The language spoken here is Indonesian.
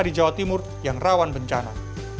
di jawa timur yang rawan bencana